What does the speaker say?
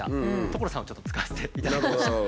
所さんをちょっと使わせていただきました。